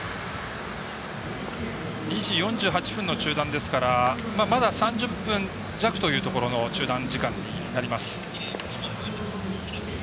２時４８分の中断ですからまだ３０分弱というところの中断時間になります。